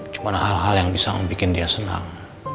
cuma hal hal yang bisa membuat dia senang